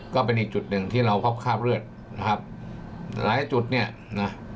ก็เป็นอีกจุดหนึ่งที่เราพบคราบเลือดนะครับหลายจุดเนี่ยนะ